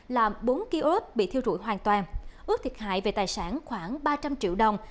làm bốn ký ốt bị thiêu rụi hoàn toàn ước thiệt hại về tài sản khoảng ba trăm linh triệu đồng